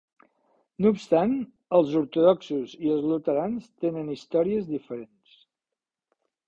No obstant, els ortodoxos i els luterans tenen històries diferents.